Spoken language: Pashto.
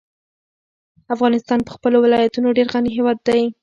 افغانستان په خپلو ولایتونو ډېر غني هېواد دی.